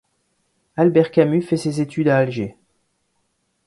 Albert Camus fait ses études à Alger.